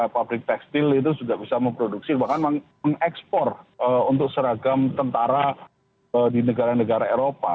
fabrik tekstil itu sudah bisa memproduksi bahkan mengekspor ee untuk seragam tentara ee di negara negara eropa